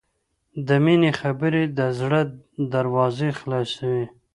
د مینې خبرې د زړه دروازې خلاصوي.